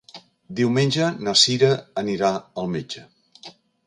Diumenge na Cira anirà al metge.